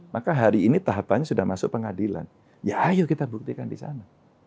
maka hari ini tahapannya sudah masuk pengadilan ya ayo kita buktikan di sana